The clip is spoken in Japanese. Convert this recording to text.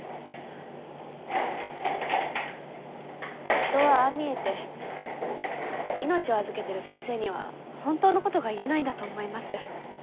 夫はああ見えて命を預けてる先生には本当のことが言えないんだと思います。